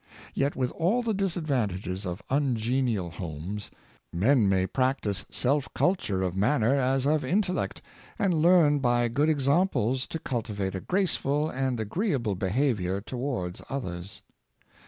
Yet, with all the disadvantages of ungenial homes, men may practice self culture of manner as of intellect, and learn by good examples to cultivate a graceful and agreeable behavior towards others.